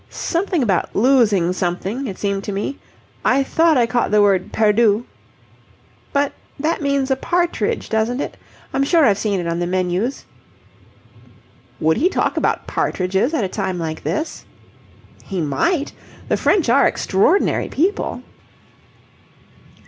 "Something about losing something, it seemed to me. I thought I caught the word perdu." "But that means a partridge, doesn't it? I'm sure I've seen it on the menus." "Would he talk about partridges at a time like this?" "He might. The French are extraordinary people."